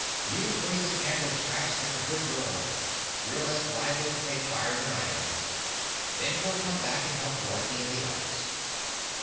"You bring the candle, Scraps, like a good girl. You're less liable to take fire than I am. Then we'll come back and help Dorothy and the others."